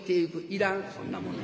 「いらんそんなもの。